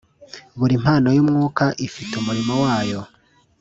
Buri mpano y’Umwuka ifite umurimo wayo